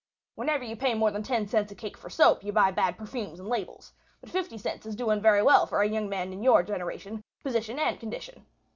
Whenever you pay more than 10 cents a cake for soap you buy bad perfumes and labels. But 50 cents is doing very well for a young man in your generation, position and condition.